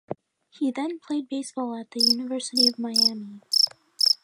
He then played baseball at the University of Miami.